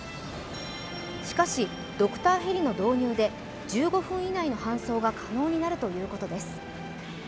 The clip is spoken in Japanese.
しかし、ドクターヘリの導入で１５分以内の搬送が可能になるということです。